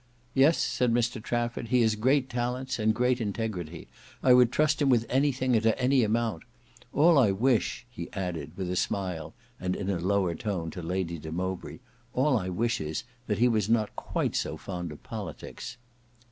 "Yes," said Mr Trafford; "he has great talents and great integrity. I would trust him with anything and to any amount. All I wish," he added, with a smile and in a lower tone to Lady de Mowbray, "all I wish is, that he was not quite so fond of politics."